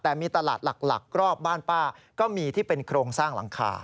แต่มีตลาดหลักรอบบ้านป้าก็มีที่เป็นโครงสร้างหลังคา